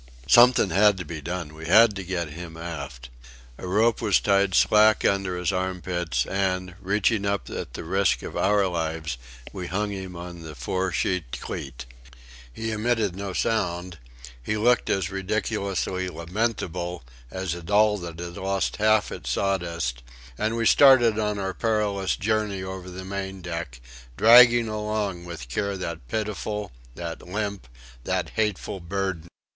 Something had to be done. We had to get him aft. A rope was tied slack under his armpits, and, reaching up at the risk of our lives, we hung him on the fore sheet cleet. He emitted no sound; he looked as ridiculously lamentable as a doll that had lost half its sawdust, and we started on our perilous journey over the main deck, dragging along with care that pitiful, that limp, that hateful burden.